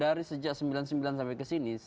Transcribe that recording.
dari sejak sembilan puluh sembilan sampai ke sini